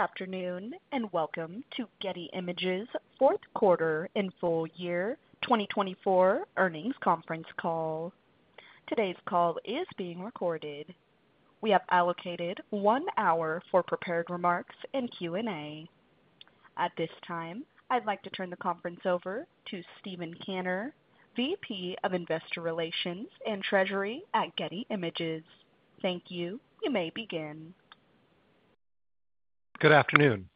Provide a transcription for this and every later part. Good afternoon and welcome to Getty Images' Fourth Quarter and Full Year 2024 Earnings Conference Call. Today's call is being recorded. We have allocated one hour for prepared remarks and Q&A. At this time, I'd like to turn the conference over to Steven Kanner, VP of Investor Relations and Treasury at Getty Images. Thank you. You may begin. Good afternoon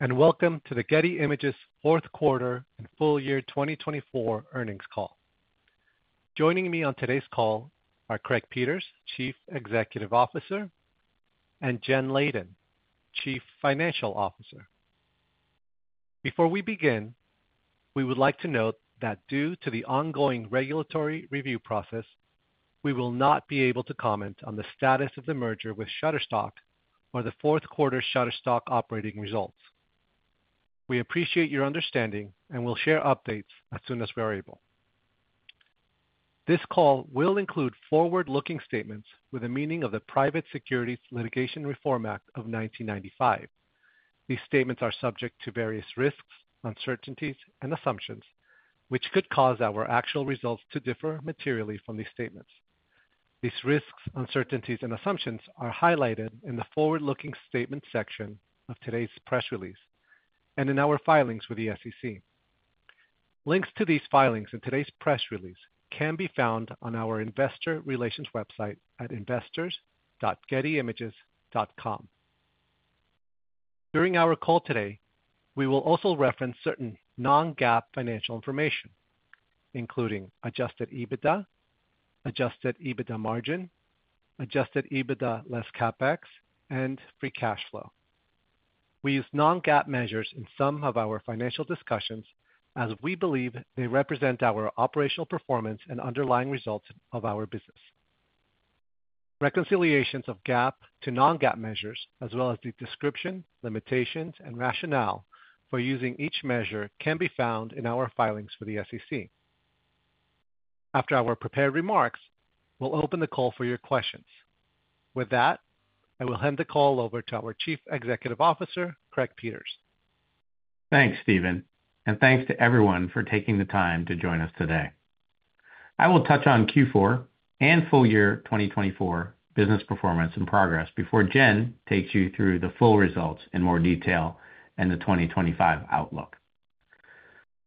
and welcome to the Getty Images' Fourth Quarter and Full Year 2024 Earnings Call. Joining me on today's call are Craig Peters, Chief Executive Officer, and Jen Leyden, Chief Financial Officer. Before we begin, we would like to note that due to the ongoing regulatory review process, we will not be able to comment on the status of the merger with Shutterstock or the fourth quarter Shutterstock operating results. We appreciate your understanding and will share updates as soon as we are able. This call will include forward-looking statements with a meaning of the Private Securities Litigation Reform Act of 1995. These statements are subject to various risks, uncertainties, and assumptions, which could cause our actual results to differ materially from these statements. These risks, uncertainties, and assumptions are highlighted in the forward-looking statement section of today's press release and in our filings with the SEC. Links to these filings and today's press release can be found on our investor relations website at investors.gettyimages.com. During our call today, we will also reference certain non-GAAP financial information, including adjusted EBITDA, adjusted EBITDA margin, adjusted EBITDA less CapEx, and free cash flow. We use non-GAAP measures in some of our financial discussions as we believe they represent our operational performance and underlying results of our business. Reconciliations of GAAP to non-GAAP measures, as well as the description, limitations, and rationale for using each measure, can be found in our filings for the SEC. After our prepared remarks, we'll open the call for your questions. With that, I will hand the call over to our Chief Executive Officer, Craig Peters. Thanks, Steven, and thanks to everyone for taking the time to join us today. I will touch on Q4 and full year 2024 business performance and progress before Jen takes you through the full results in more detail and the 2025 outlook.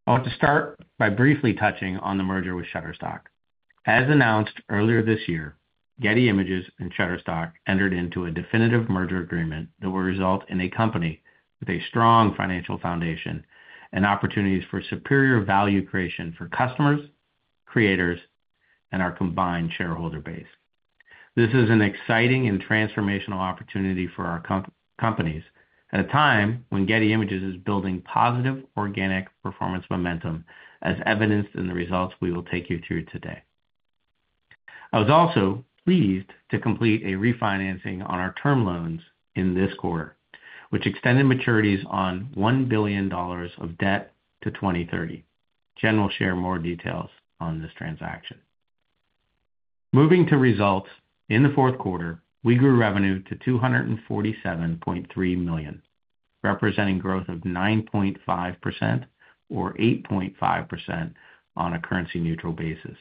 I want to start by briefly touching on the merger with Shutterstock. As announced earlier this year, Getty Images and Shutterstock entered into a definitive merger agreement that will result in a company with a strong financial foundation and opportunities for superior value creation for customers, creators, and our combined shareholder base. This is an exciting and transformational opportunity for our companies at a time when Getty Images is building positive organic performance momentum, as evidenced in the results we will take you through today. I was also pleased to complete a refinancing on our term loans in this quarter, which extended maturities on $1 billion of debt to 2030. Jen will share more details on this transaction. Moving to results, in the fourth quarter, we grew revenue to $247.3 million, representing growth of 9.5% or 8.5% on a currency-neutral basis.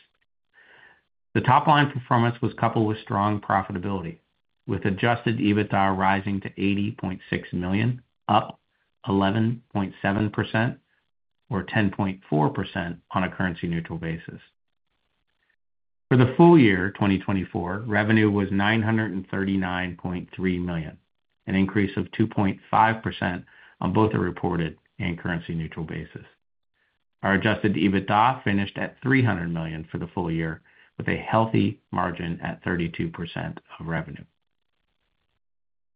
The top-line performance was coupled with strong profitability, with adjusted EBITDA rising to $80.6 million, up 11.7% or 10.4% on a currency-neutral basis. For the full year 2024, revenue was $939.3 million, an increase of 2.5% on both a reported and currency-neutral basis. Our adjusted EBITDA finished at $300 million for the full year, with a healthy margin at 32% of revenue.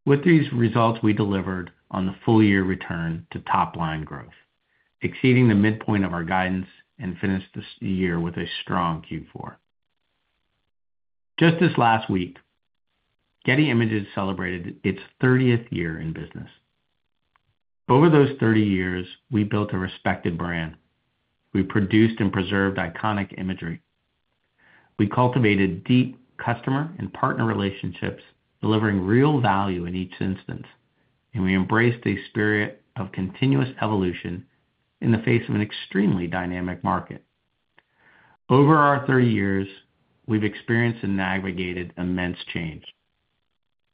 With these results, we delivered on the full-year return to top-line growth, exceeding the midpoint of our guidance, and finished the year with a strong Q4. Just this last week, Getty Images celebrated its 30th year in business. Over those 30 years, we built a respected brand. We produced and preserved iconic imagery. We cultivated deep customer and partner relationships, delivering real value in each instance, and we embraced a spirit of continuous evolution in the face of an extremely dynamic market. Over our 30 years, we've experienced and navigated immense change: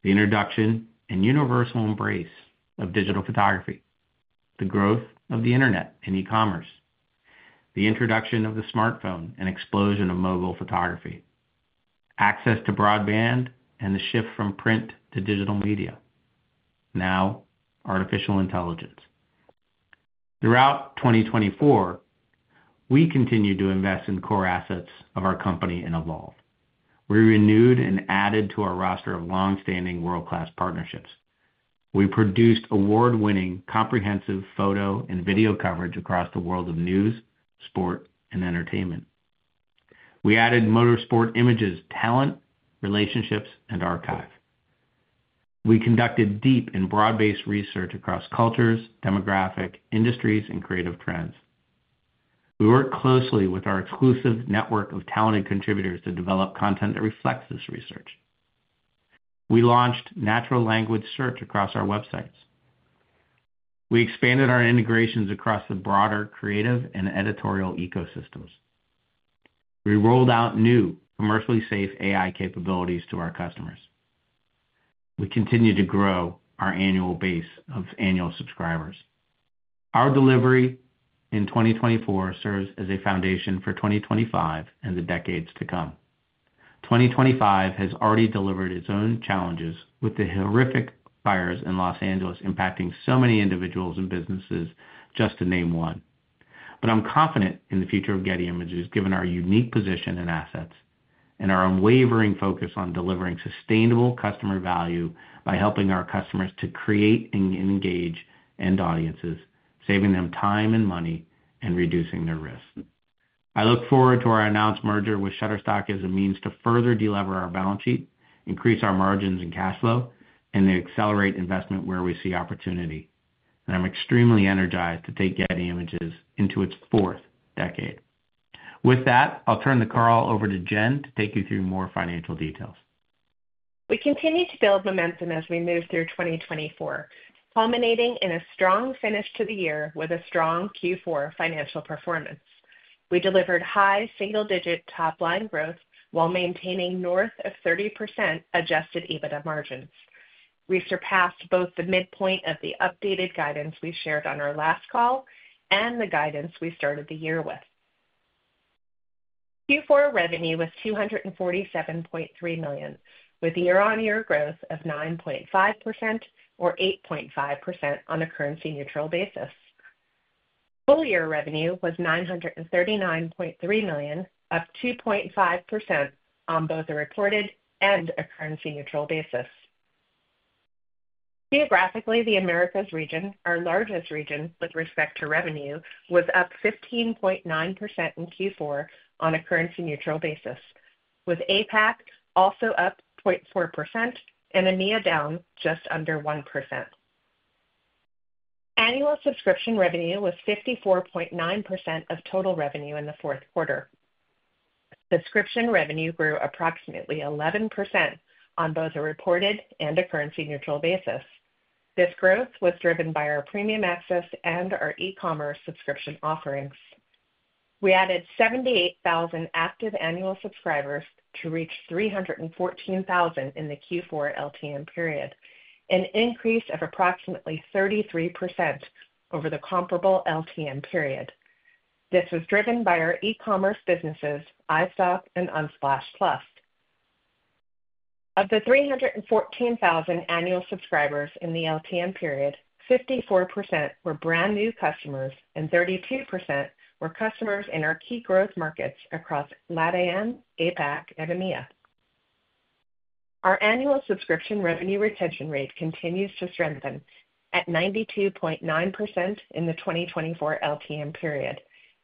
the introduction and universal embrace of digital photography, the growth of the internet and e-commerce, the introduction of the smartphone and explosion of mobile photography, access to broadband, and the shift from print to digital media, now artificial intelligence. Throughout 2024, we continued to invest in core assets of our company and evolve. We renewed and added to our roster of long-standing world-class partnerships. We produced award-winning comprehensive photo and video coverage across the world of news, sport, and entertainment. We added motorsport images, talent, relationships, and archive. We conducted deep and broad-based research across cultures, demographics, industries, and creative trends. We worked closely with our exclusive network of talented contributors to develop content that reflects this research. We launched natural language search across our websites. We expanded our integrations across the broader creative and editorial ecosystems. We rolled out new commercially safe AI capabilities to our customers. We continue to grow our annual base of annual subscribers. Our delivery in 2024 serves as a foundation for 2025 and the decades to come. 2025 has already delivered its own challenges, with the horrific fires in Los Angeles impacting so many individuals and businesses, just to name one. I am confident in the future of Getty Images, given our unique position and assets and our unwavering focus on delivering sustainable customer value by helping our customers to create and engage end audiences, saving them time and money, and reducing their risk. I look forward to our announced merger with Shutterstock as a means to further deliver our balance sheet, increase our margins and cash flow, and accelerate investment where we see opportunity. I am extremely energized to take Getty Images into its fourth decade. With that, I will turn the call over to Jen to take you through more financial details. We continue to build momentum as we move through 2024, culminating in a strong finish to the year with a strong Q4 financial performance. We delivered high single-digit top-line growth while maintaining north of 30% adjusted EBITDA margins. We surpassed both the midpoint of the updated guidance we shared on our last call and the guidance we started the year with. Q4 revenue was $247.3 million, with year-on-year growth of 9.5% or 8.5% on a currency-neutral basis. Full-year revenue was $939.3 million, up 2.5% on both a reported and a currency-neutral basis. Geographically, the Americas region, our largest region with respect to revenue, was up 15.9% in Q4 on a currency-neutral basis, with APAC also up 0.4% and EMEA down just under 1%. Annual subscription revenue was 54.9% of total revenue in the fourth quarter. Subscription revenue grew approximately 11% on both a reported and a currency-neutral basis. This growth was driven by our Premium Access and our e-commerce subscription offerings. We added 78,000 active annual subscribers to reach 314,000 in the Q4 LTM period, an increase of approximately 33% over the comparable LTM period. This was driven by our e-commerce businesses, iStock and Unsplash+. Of the 314,000 annual subscribers in the LTM period, 54% were brand new customers and 32% were customers in our key growth markets across LATAM, APAC, and EMEA. Our annual subscription revenue retention rate continues to strengthen at 92.9% in the 2024 LTM period,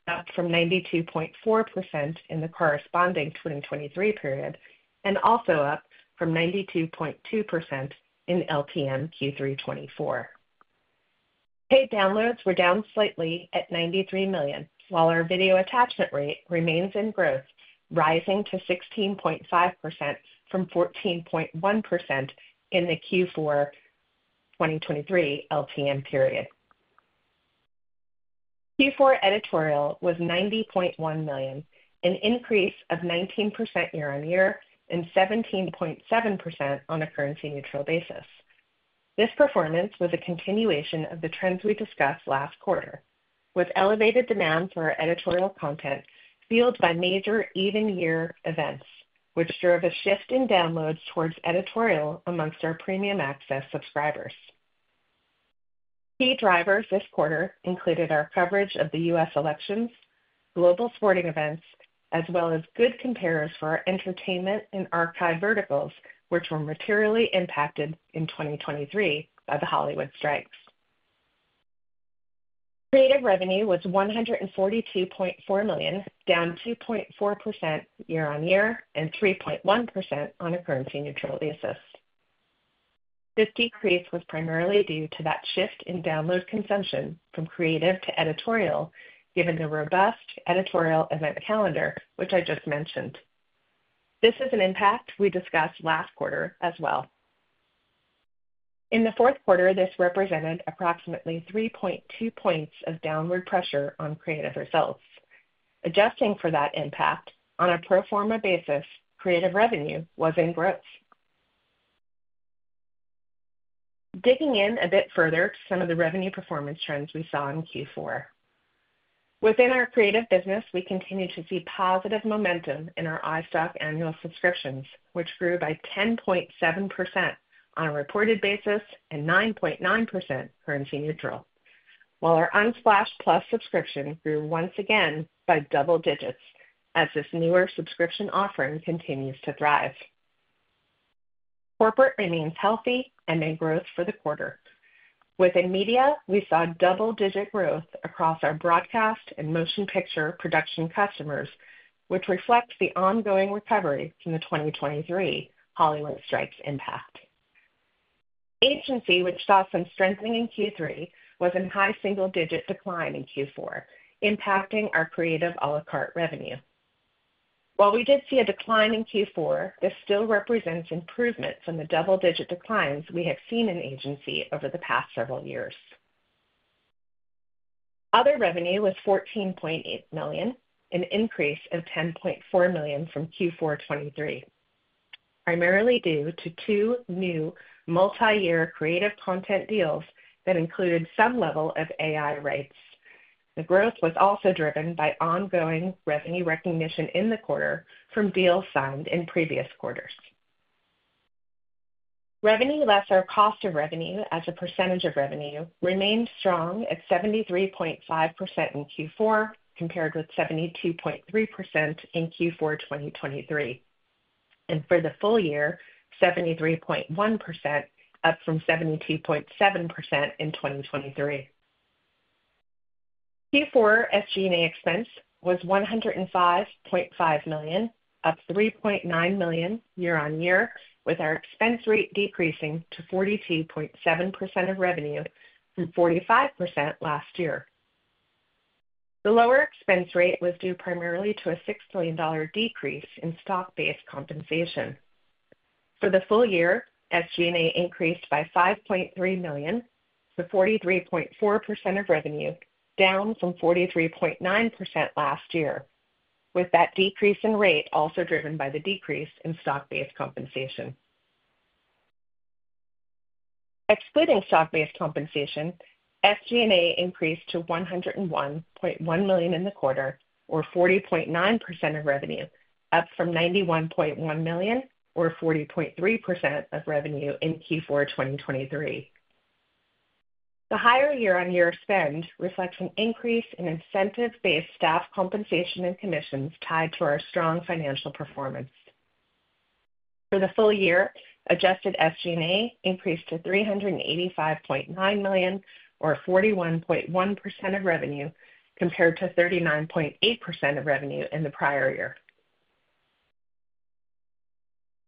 up from 92.4% in the corresponding 2023 period, and also up from 92.2% in LTM Q3 2024. Paid downloads were down slightly at 93 million, while our video attachment rate remains in growth, rising to 16.5% from 14.1% in the Q4 2023 LTM period. Q4 editorial was $90.1 million, an increase of 19% year-on-year and 17.7% on a currency-neutral basis. This performance was a continuation of the trends we discussed last quarter, with elevated demand for our editorial content fueled by major even-year events, which drove a shift in downloads towards editorial amongst our Premium Access subscribers. Key drivers this quarter included our coverage of the U.S. elections, global sporting events, as well as good compares for our entertainment and archive verticals, which were materially impacted in 2023 by the Hollywood strikes. Creative revenue was $142.4 million, down 2.4% year-on-year and 3.1% on a currency-neutral basis. This decrease was primarily due to that shift in download consumption from creative to editorial, given the robust editorial event calendar, which I just mentioned. This is an impact we discussed last quarter as well. In the fourth quarter, this represented approximately 3.2 percentage points of downward pressure on creative results. Adjusting for that impact on a pro forma basis, creative revenue was in growth. Digging in a bit further to some of the revenue performance trends we saw in Q4. Within our creative business, we continue to see positive momentum in our iStock annual subscriptions, which grew by 10.7% on a reported basis and 9.9% currency-neutral, while our Unsplash+ subscription grew once again by double digits as this newer subscription offering continues to thrive. Corporate remains healthy and in growth for the quarter. Within media, we saw double-digit growth across our broadcast and motion picture production customers, which reflects the ongoing recovery from the 2023 Hollywood strikes impact. Agency, which saw some strengthening in Q3, was in high single-digit decline in Q4, impacting our creative à la carte revenue. While we did see a decline in Q4, this still represents improvement from the double-digit declines we have seen in agency over the past several years. Other revenue was $14.8 million, an increase of $10.4 million from Q4 2023, primarily due to two new multi-year creative content deals that included some level of AI rights. The growth was also driven by ongoing revenue recognition in the quarter from deals signed in previous quarters. Revenue less our cost of revenue as a percentage of revenue remained strong at 73.5% in Q4, compared with 72.3% in Q4 2023, and for the full year, 73.1%, up from 72.7% in 2023. Q4 SG&A expense was $105.5 million, up $3.9 million year-on-year, with our expense rate decreasing to 42.7% of revenue from 45% last year. The lower expense rate was due primarily to a $6 million decrease in stock-based compensation. For the full year, SG&A increased by $5.3 million to 43.4% of revenue, down from 43.9% last year, with that decrease in rate also driven by the decrease in stock-based compensation. Excluding stock-based compensation, SG&A increased to $101.1 million in the quarter, or 40.9% of revenue, up from $91.1 million or 40.3% of revenue in Q4 2023. The higher year-on-year spend reflects an increase in incentive-based staff compensation and commissions tied to our strong financial performance. For the full year, adjusted SG&A increased to $385.9 million, or 41.1% of revenue, compared to 39.8% of revenue in the prior year.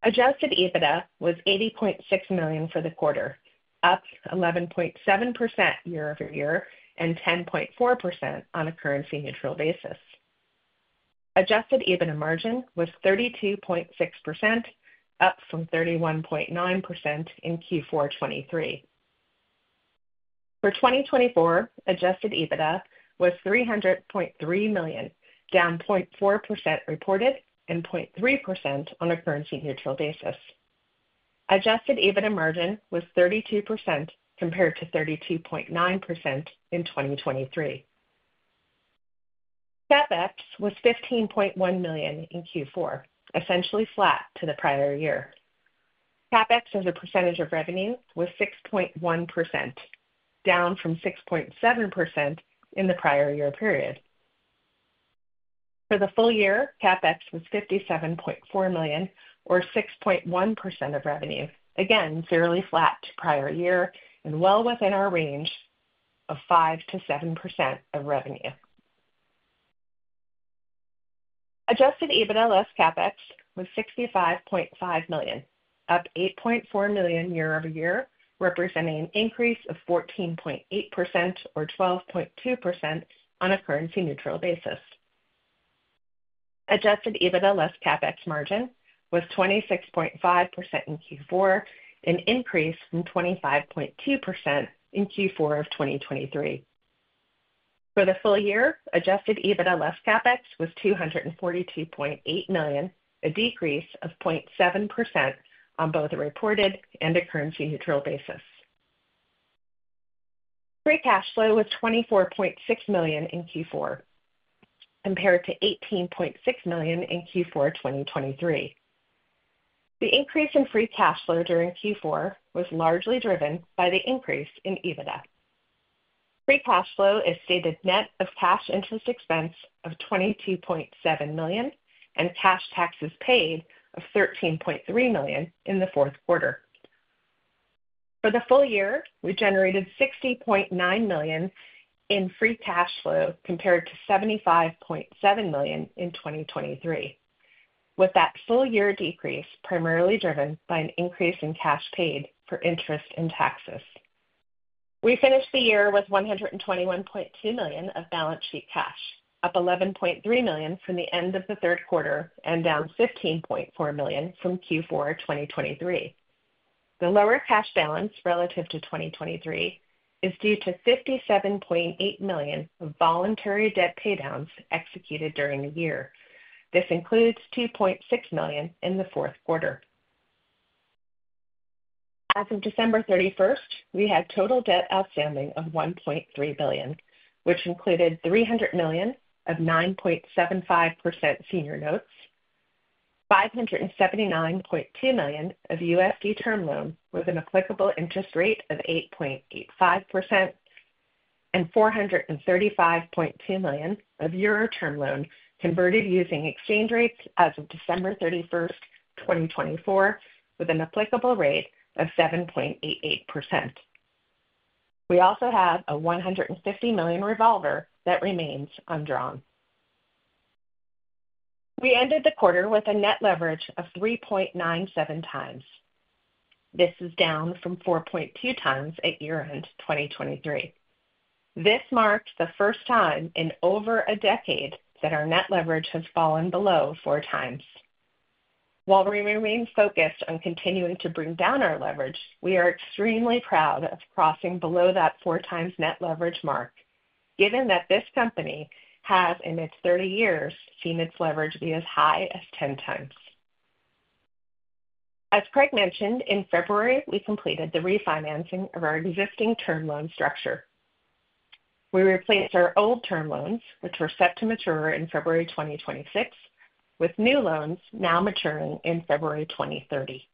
Adjusted EBITDA was $80.6 million for the quarter, up 11.7% year-over-year and 10.4% on a currency-neutral basis. Adjusted EBITDA margin was 32.6%, up from 31.9% in Q4 2023. For 2024, adjusted EBITDA was $300.3 million, down 0.4% reported and 0.3% on a currency-neutral basis. Adjusted EBITDA margin was 32% compared to 32.9% in 2023. CapEx was $15.1 million in Q4, essentially flat to the prior year. CapEx as a percentage of revenue was 6.1%, down from 6.7% in the prior year period. For the full year, CapEx was $57.4 million, or 6.1% of revenue, again fairly flat to prior year and well within our range of 5%-7% of revenue. Adjusted EBITDA less CapEx was $65.5 million, up $8.4 million year-over-year, representing an increase of 14.8% or 12.2% on a currency-neutral basis. Adjusted EBITDA less CapEx margin was 26.5% in Q4, an increase from 25.2% in Q4 of 2023. For the full year, adjusted EBITDA less CapEx was $242.8 million, a decrease of 0.7% on both a reported and a currency-neutral basis. Free cash flow was $24.6 million in Q4, compared to $18.6 million in Q4 2023. The increase in free cash flow during Q4 was largely driven by the increase in EBITDA. Free cash flow is stated net of cash interest expense of $22.7 million and cash taxes paid of $13.3 million in the fourth quarter. For the full year, we generated $60.9 million in free cash flow compared to $75.7 million in 2023, with that full year decrease primarily driven by an increase in cash paid for interest and taxes. We finished the year with $121.2 million of balance sheet cash, up $11.3 million from the end of the third quarter and down $15.4 million from Q4 2023. The lower cash balance relative to 2023 is due to $57.8 million of voluntary debt paydowns executed during the year. This includes $2.6 million in the fourth quarter. As of December 31, we had total debt outstanding of $1.3 billion, which included $300 million of 9.75% senior notes, $579.2 million of USD term loan with an applicable interest rate of 8.85%, and 435.2 million of euro term loan converted using exchange rates as of December 31, 2024, with an applicable rate of 7.88%. We also have a $150 million revolver that remains undrawn. We ended the quarter with a net leverage of 3.97 times. This is down from 4.2 times at year-end 2023. This marked the first time in over a decade that our net leverage has fallen below four times. While we remain focused on continuing to bring down our leverage, we are extremely proud of crossing below that four times net leverage mark, given that this company has in its 30 years seen its leverage be as high as 10 times. As Craig mentioned, in February, we completed the refinancing of our existing term loan structure. We replaced our old term loans, which were set to mature in February 2026, with new loans now maturing in February 2030.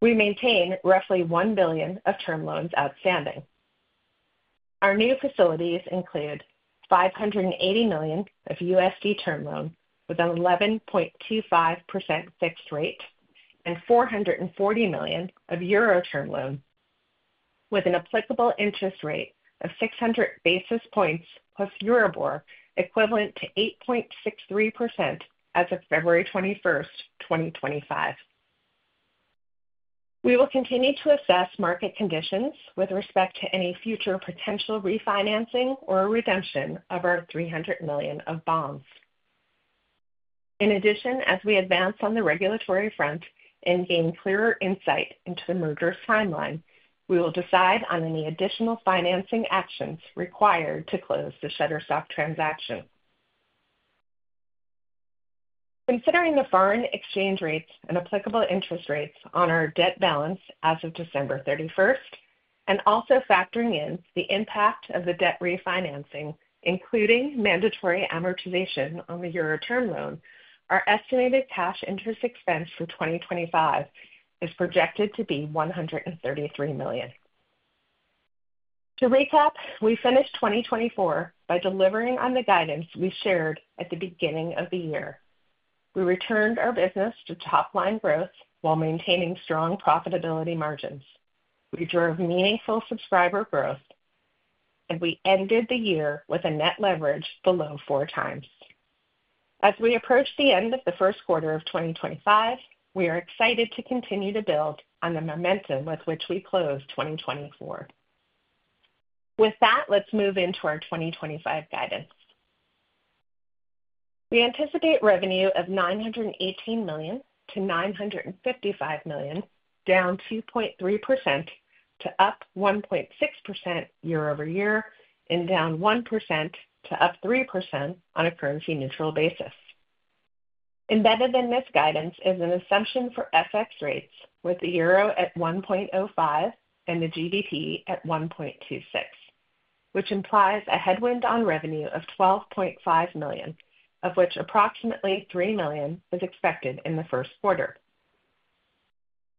We maintain roughly $1 billion of term loans outstanding. Our new facilities include $580 million of USD term loan with an 11.25% fixed rate and 440 million of euro term loan with an applicable interest rate of 600 basis points plus Euribor equivalent to 8.63% as of February 21, 2025. We will continue to assess market conditions with respect to any future potential refinancing or redemption of our $300 million of bonds. In addition, as we advance on the regulatory front and gain clearer insight into the merger timeline, we will decide on any additional financing actions required to close the Shutterstock transaction. Considering the foreign exchange rates and applicable interest rates on our debt balance as of December 31, and also factoring in the impact of the debt refinancing, including mandatory amortization on the euro term loan, our estimated cash interest expense for 2025 is projected to be 133 million. To recap, we finished 2024 by delivering on the guidance we shared at the beginning of the year. We returned our business to top-line growth while maintaining strong profitability margins. We drove meaningful subscriber growth, and we ended the year with a net leverage below four times. As we approach the end of the first quarter of 2025, we are excited to continue to build on the momentum with which we closed 2024. With that, let's move into our 2025 guidance. We anticipate revenue of $918 million-$955 million, down 2.3% to up 1.6% year-over-year and down 1% to up 3% on a currency-neutral basis. Embedded in this guidance is an assumption for FX rates with the EUR at 1.05 and the GBP at 1.26, which implies a headwind on revenue of $12.5 million, of which approximately $3 million is expected in the first quarter.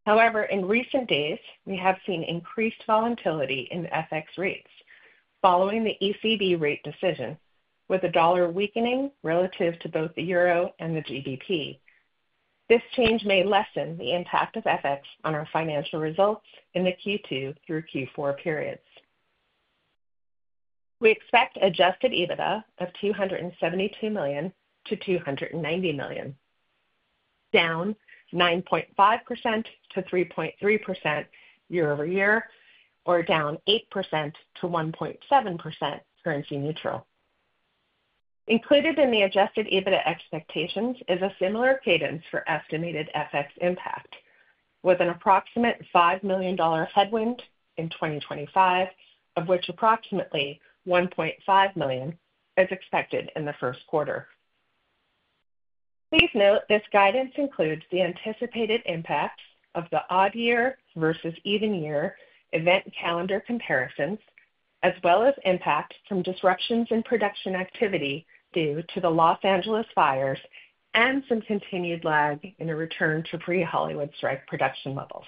However, in recent days, we have seen increased volatility in FX rates following the ECB rate decision, with the dollar weakening relative to both the EUR and the GBP. This change may lessen the impact of FX on our financial results in the Q2 through Q4 periods. We expect adjusted EBITDA of $272 million-$290 million, down 9.5% to 3.3% year-over-year, or down 8% to 1.7% currency-neutral. Included in the adjusted EBITDA expectations is a similar cadence for estimated FX impact, with an approximate $5 million headwind in 2025, of which approximately $1.5 million is expected in the first quarter. Please note this guidance includes the anticipated impacts of the odd year versus even year event calendar comparisons, as well as impacts from disruptions in production activity due to the Los Angeles fires and some continued lag in a return to pre-Hollywood strike production levels.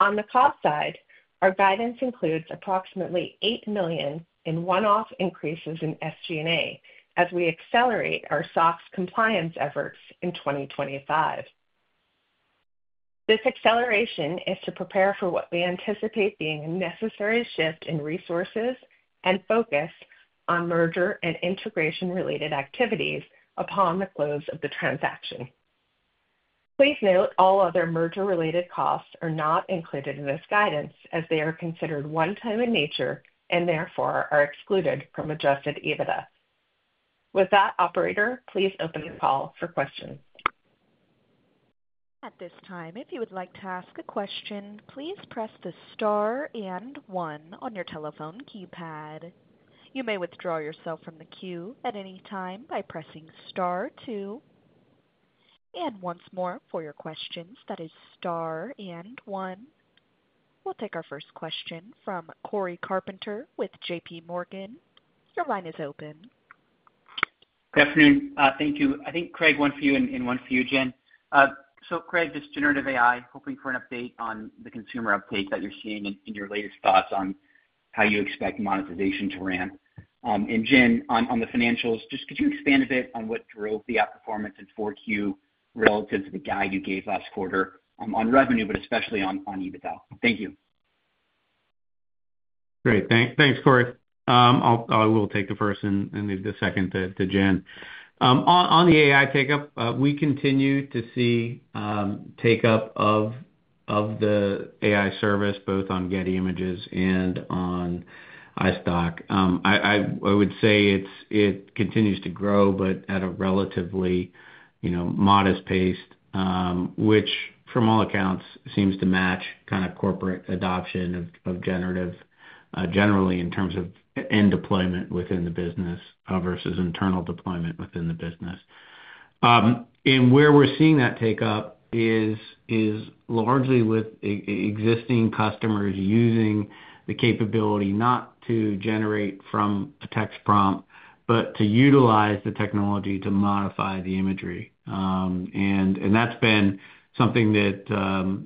On the cost side, our guidance includes approximately $8 million in one-off increases in SG&A as we accelerate our SOX compliance efforts in 2025. This acceleration is to prepare for what we anticipate being a necessary shift in resources and focus on merger and integration-related activities upon the close of the transaction. Please note all other merger-related costs are not included in this guidance as they are considered one-time in nature and therefore are excluded from adjusted EBITDA. With that, operator, please open the call for questions. At this time, if you would like to ask a question, please press the star and one on your telephone keypad. You may withdraw yourself from the queue at any time by pressing star two. For your questions, that is star and one. We'll take our first question from Cory Carpenter with J.P. Morgan. Your line is open. Good afternoon. Thank you. I think Craig, one for you and one for you, Jen. Craig, this is generative AI hoping for an update on the consumer uptake that you're seeing and your latest thoughts on how you expect monetization to ramp. Jen, on the financials, could you expand a bit on what drove the outperformance in Q4 relative to the guide you gave last quarter on revenue, but especially on EBITDA? Thank you. Great. Thanks, Corey. I will take the first and leave the second to Jen. On the AI takeup, we continue to see takeup of the AI service, both on Getty Images and on iStock. I would say it continues to grow, but at a relatively modest pace, which from all accounts seems to match kind of corporate adoption of generative generally in terms of end deployment within the business versus internal deployment within the business. Where we're seeing that takeup is largely with existing customers using the capability not to generate from a text prompt, but to utilize the technology to modify the imagery. That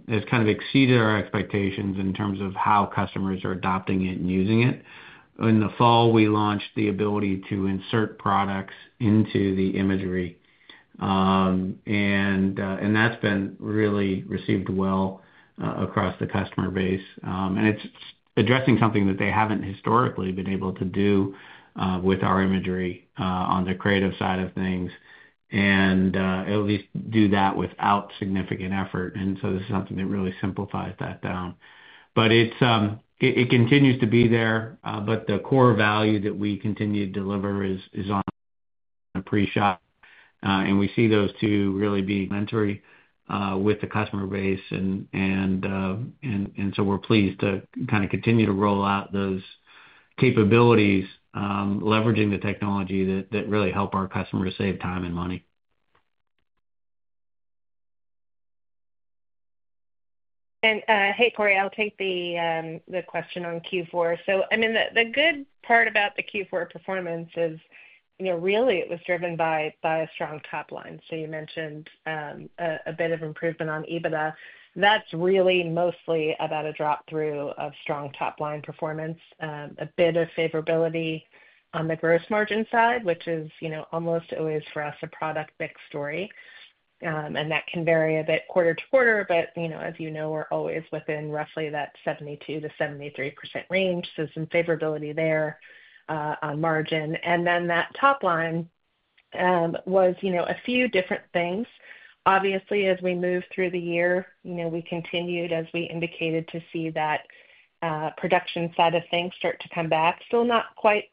has kind of exceeded our expectations in terms of how customers are adopting it and using it. In the fall, we launched the ability to insert products into the imagery. That has been really received well across the customer base. It is addressing something that they have not historically been able to do with our imagery on the creative side of things, at least do that without significant effort. This is something that really simplifies that down. It continues to be there. The core value that we continue to deliver is on a pre-shot. We see those two really being elementary with the customer base. We are pleased to kind of continue to roll out those capabilities, leveraging the technology that really helps our customers save time and money. Hey, Corey, I will take the question on Q4. I mean, the good part about the Q4 performance is really it was driven by a strong top line. You mentioned a bit of improvement on EBITDA. That is really mostly about a drop through of strong top line performance, a bit of favorability on the gross margin side, which is almost always for us a product-based story. That can vary a bit quarter to quarter. As you know, we are always within roughly that 72-73% range. Some favorability there on margin. That top line was a few different things. Obviously, as we moved through the year, we continued, as we indicated, to see that production side of things start to come back. Still not quite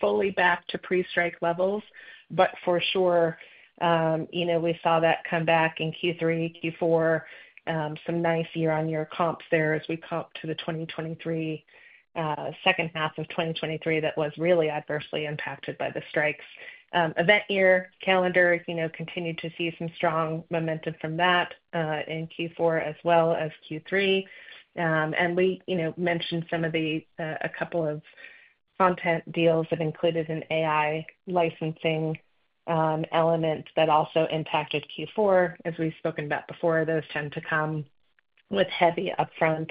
fully back to pre-strike levels, but for sure, we saw that come back in Q3, Q4. Some nice year-on-year comps there as we comp to the 2023 second half of 2023 that was really adversely impacted by the strikes. Event year calendar continued to see some strong momentum from that in Q4 as well as Q3. We mentioned some of the a couple of content deals that included an AI licensing element that also impacted Q4, as we've spoken about before. Those tend to come with heavy upfront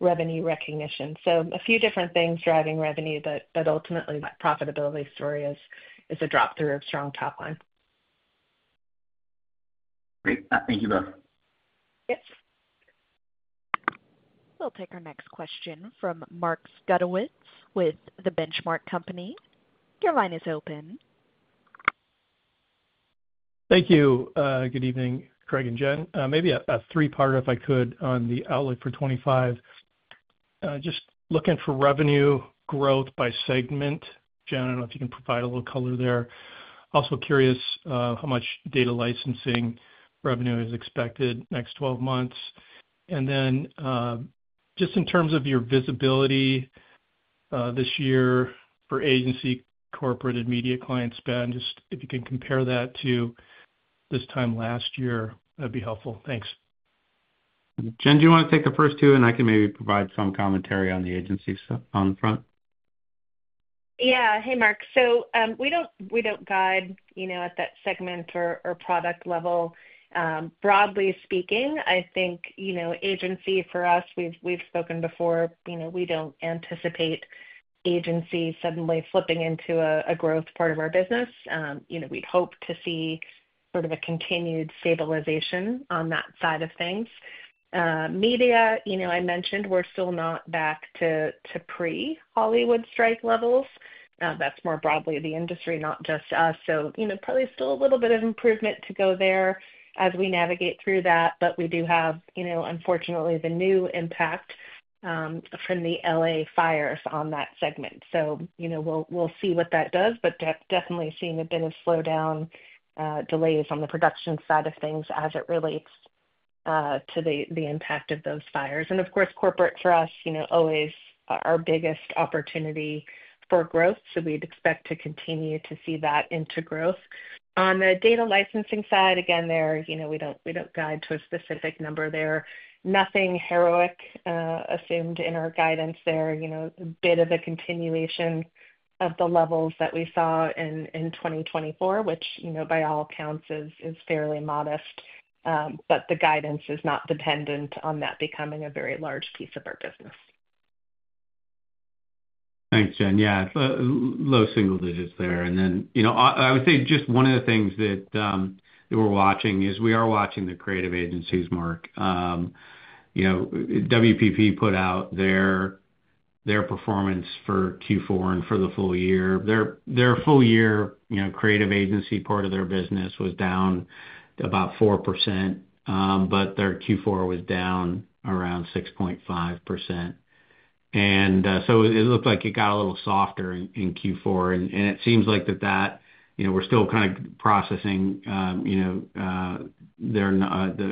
revenue recognition. A few different things driving revenue, but ultimately that profitability story is a drop through of strong top line. Great. Thank you both. Yes. We'll take our next question from Mark Zgutowicz with The Benchmark Company. Your line is open. Thank you. Good evening, Craig and Jen. Maybe a three-part if I could on the outlook for 2025. Just looking for revenue growth by segment. Jen, I do not know if you can provide a little color there. Also curious how much data licensing revenue is expected next 12 months. In terms of your visibility this year for agency, corporate, and media client spend, just if you can compare that to this time last year, that would be helpful. Thanks. Jen, do you want to take the first two, and I can maybe provide some commentary on the agency on the front? Yeah. Hey, Mark. We do not guide at that segment or product level. Broadly speaking, I think agency for us, we have spoken before, we do not anticipate agency suddenly flipping into a growth part of our business. We would hope to see sort of a continued stabilization on that side of things. Media, I mentioned we are still not back to pre-Hollywood strike levels. That is more broadly the industry, not just us. Probably still a little bit of improvement to go there as we navigate through that. We do have, unfortunately, the new impact from the Los Angeles fires on that segment. We will see what that does, but definitely seeing a bit of slowdown, delays on the production side of things as it relates to the impact of those fires. Of course, corporate for us, always our biggest opportunity for growth. We would expect to continue to see that into growth. On the data licensing side, again, we do not guide to a specific number there. Nothing heroic assumed in our guidance there. A bit of a continuation of the levels that we saw in 2024, which by all accounts is fairly modest. The guidance is not dependent on that becoming a very large piece of our business. Thanks, Jen. Yeah. Low-single-digits there. I would say just one of the things that we're watching is we are watching the creative agencies, Mark. WPP put out their performance for Q4 and for the full year. Their full-year creative agency part of their business was down about 4%, but their Q4 was down around 6.5%. It looked like it got a little softer in Q4. It seems like that we're still kind of processing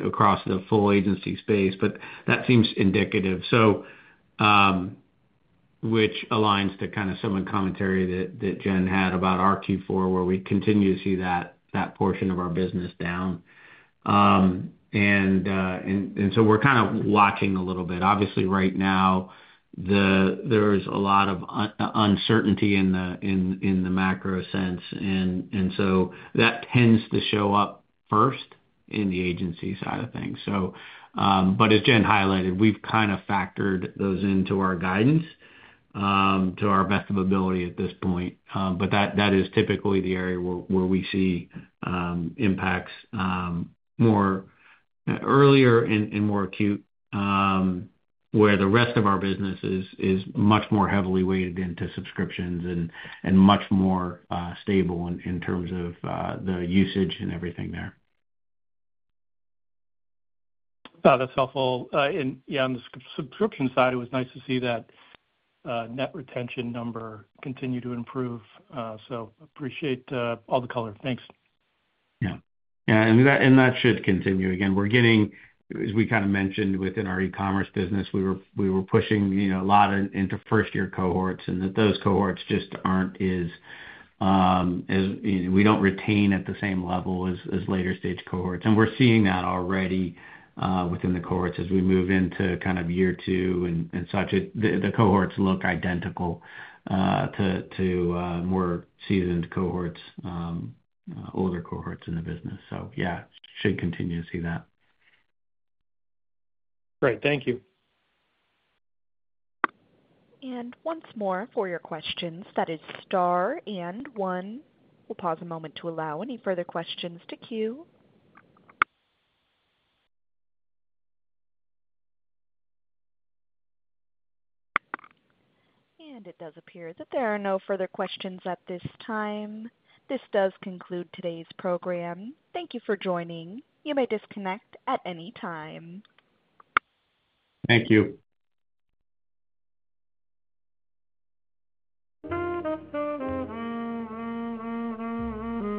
across the full agency space, but that seems indicative, which aligns to kind of some of the commentary that Jen had about our Q4, where we continue to see that portion of our business down. We're kind of watching a little bit. Obviously, right now, there's a lot of uncertainty in the macro sense. That tends to show up first in the agency side of things. As Jen highlighted, we have kind of factored those into our guidance to our best ability at this point. That is typically the area where we see impacts earlier and more acute, where the rest of our business is much more heavily weighted into subscriptions and much more stable in terms of the usage and everything there. That is helpful. Yeah, on the subscription side, it was nice to see that net retention number continue to improve. Appreciate all the color. Thanks. Yeah, that should continue again. As we kind of mentioned within our e-commerce business, we were pushing a lot into first-year cohorts and those cohorts just are not as—we do not retain at the same level as later-stage cohorts. We are seeing that already within the cohorts as we move into year two and such. The cohorts look identical to more seasoned cohorts, older cohorts in the business. Yeah, should continue to see that. Great. Thank you. Once more, for your questions, that is star and one. We'll pause a moment to allow any further questions to queue. It does appear that there are no further questions at this time. This does conclude today's program. Thank you for joining. You may disconnect at any time. Thank you.